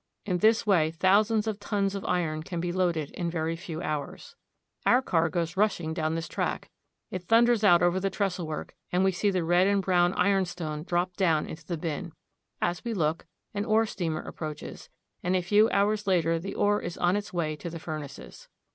In this way thousands of tons of iron can be loaded in a very few hours. Our car goes rushing down this track. It thunders out over the trestlework, and we see the red and brown iron stone dropped down into the bin. As we look, an ore steamer approaches, and a few hours later the ore is on its way to the furnaces.